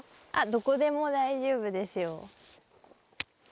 どこでも大丈夫ですよ。